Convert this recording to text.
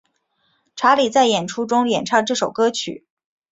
查理在演出中演唱这首歌曲。